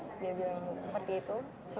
dia bilang seperti itu